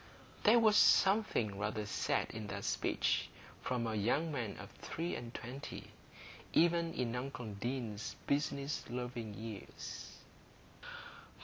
There was something rather sad in that speech from a young man of three and twenty, even in uncle Deane's business loving ears.